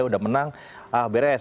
udah menang ah beres